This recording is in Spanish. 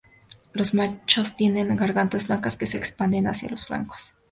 Los machos tienen gargantas blancas que se expanden hacia los flancos.